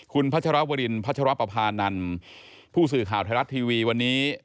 คุณพระเจ้ารับวรินพระเจ้ารับประพานันต์ผู้สื่อข่าวไทยรัฐทีวีวันนี้